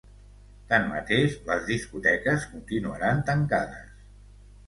Tanmateix, les discoteques continuaran tancades.